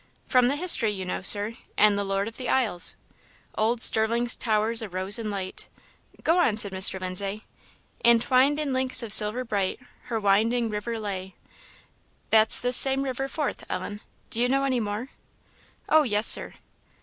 "From the history, you know, Sir, and the Lord of the Isles; " 'Old Stirling's towers arose in light '" "Go on," said Mr. Lindsay. " 'And twined in links of silver bright, Her winding river lay.' " "That's this same river Forth, Ellen. Do you know any more?" "Oh yes, Sir."